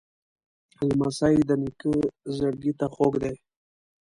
لمسی د نیکه زړګي ته خوږ دی.